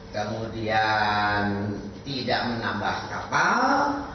kemudian tidak menambah kapal